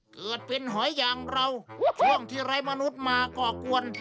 เกิดเป็นหอยอย่างเราช่วงที่ไร้มนุษย์มาก่อกวน